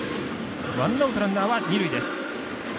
ワンアウト、ランナーは二塁です。